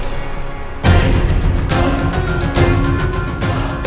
dia akan mencari